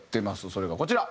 それがこちら。